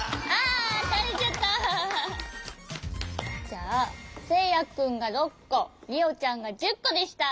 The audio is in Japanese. じゃあせいやくんが６こりおちゃんが１０こでした！